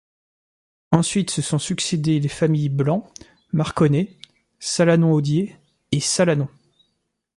Ensuite se sont succédé les familles Blanc, Marconnet, Salanon-Audier, et Salanon.